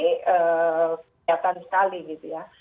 kelihatan sekali gitu ya